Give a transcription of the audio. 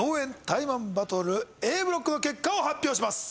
タイマンバトルＡブロックの結果を発表します